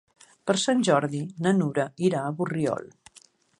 Per Sant Jordi na Nura irà a Borriol.